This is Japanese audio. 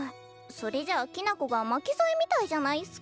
それじゃあきな子が巻き添えみたいじゃないっすか。